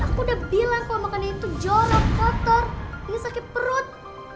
aku udah bilang kalau makan ini tuh jorok kotor ini sakit perut